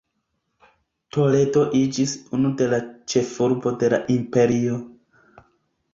Toledo iĝis unu de la ĉefurboj de la imperio.